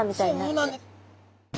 そうなんです。